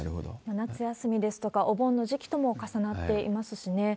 夏休みですとかお盆の時期とも重なっていますしね。